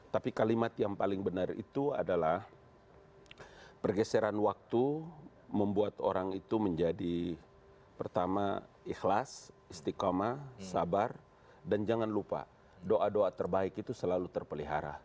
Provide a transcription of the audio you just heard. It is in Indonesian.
tapi kalimat yang paling benar itu adalah pergeseran waktu membuat orang itu menjadi pertama ikhlas istiqomah sabar dan jangan lupa doa doa terbaik itu selalu terpelihara